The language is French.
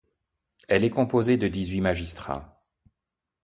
Elle est composée de dix-huit magistrats.